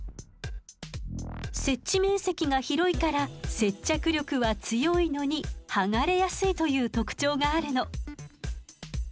接地面積が広いから接着力は強いのにはがれやすいという特徴があるの。